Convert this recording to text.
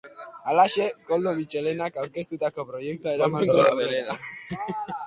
Halaxe, Koldo Mitxelenak aurkeztutako proiektua eraman zen aurrera.